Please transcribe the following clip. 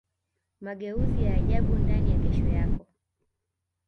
mageuzi ya ajabu ndani ya kesho yako